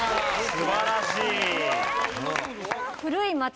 素晴らしい。